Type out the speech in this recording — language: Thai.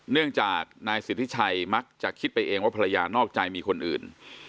เนื่องจากนายสิทธิชัยมักจะคิดไปเองว่าภรรยานอกใจมีคนอื่น